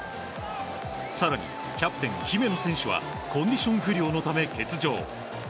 更に、キャプテン姫野選手はコンディション不良のため欠場。